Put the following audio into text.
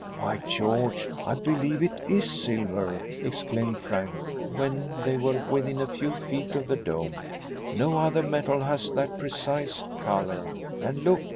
"By George, I believe it is silver," exclaimed Frank, when they were within a few feet of the dome. "No other metal has that precise color. And look!